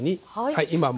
はい。